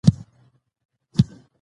زده کړه نجونې د خپل حقونو په اړه پوهوي.